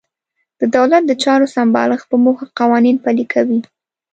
د دولت د چارو سمبالښت په موخه قوانین پلي کوي.